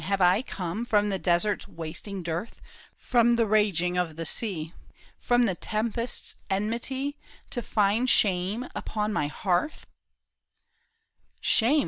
have I come From the desert's wasting dearth, From the raging of the sea, From the tempest's enmity, To find shame upon my hearth ?"" Shame